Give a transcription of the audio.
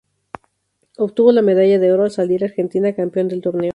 Obtuvo la medalla de oro al salir Argentina campeón del torneo.